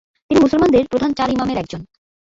তিনি মুসলমানদের প্রধান চার ইমামের একজন।